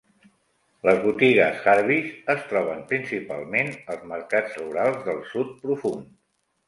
Les botigues Harveys es troben principalment als mercats rurals del Sud Profund.